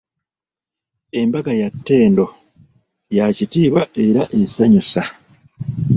"Embaga ya ttendo, ya kitiibwa era esanyusa."